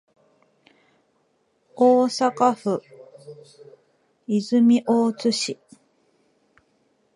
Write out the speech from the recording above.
大阪府泉大津市